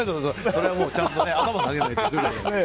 それはちゃんと頭下げてね。